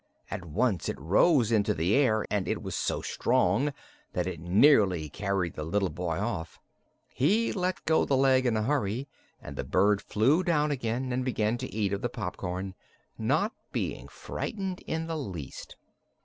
At once it rose into the air and it was so strong that it nearly carried the little boy with it. He let go the leg in a hurry and the bird flew down again and began to eat of the popcorn, not being frightened in the least.